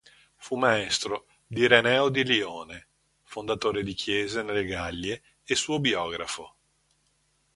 Fu maestro di Ireneo di Lione, fondatore di chiese nelle Gallie e suo biografo.